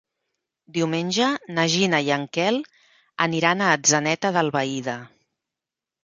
Diumenge na Gina i en Quel aniran a Atzeneta d'Albaida.